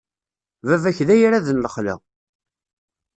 Baba-k d ayrad n lexla.